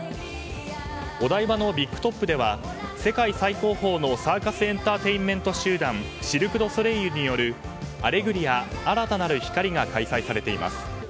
お台場のビッグトップでは世界最高峰のサーカス・エンターテインメント集団シルク・ドゥ・ソレイユによる「アレグリア‐新たなる光‐」が開催されています。